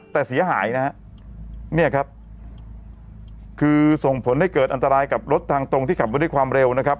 แต่เสียหายนะฮะเนี่ยครับคือส่งผลให้เกิดอันตรายกับรถทางตรงที่ขับมาด้วยความเร็วนะครับ